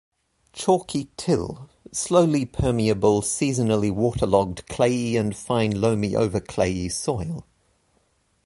Chalky till; slowly permeable seasonally waterlogged clayey and fine loamy over clayey soil.